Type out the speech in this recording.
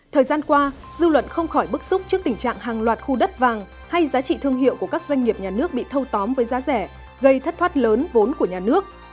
thời gian qua dư luận không khỏi bức xúc trước tình trạng hàng loạt khu đất vàng hay giá trị thương hiệu của các doanh nghiệp nhà nước bị thâu tóm với giá rẻ gây thất thoát lớn vốn của nhà nước